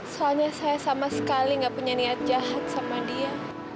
soalnya saya sama sekali nggak punya niat jahat sama dia